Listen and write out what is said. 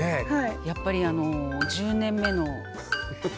やっぱり「１０年目の夜」。